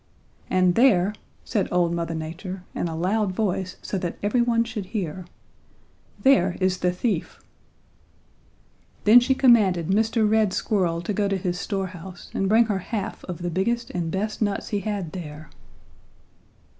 "'And there,' said old Mother Nature in a loud voice so that every one should hear, 'there is the thief!' "Then she commanded Mr. Red Squirrel to go to his store house and bring her half of the biggest and best nuts he had there!